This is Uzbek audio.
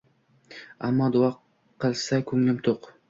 Ammo duo qilsa kunglim tuq